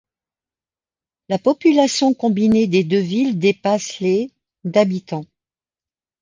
La population combinée des deux villes dépasse les d'habitants.